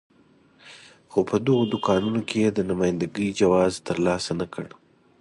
خو په دغو دوکانونو کې یې د نماینده ګۍ جواز ترلاسه نه کړ.